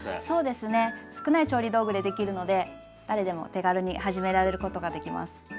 そうですね少ない調理道具でできるので誰でも手軽に始められることができます。